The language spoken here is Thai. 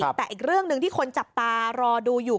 แต่อีกเรื่องหนึ่งที่คนจับตารอดูอยู่